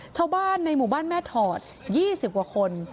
ชาวบ้านในหมู่บ้านแม่ถอด๒๐กว่าคน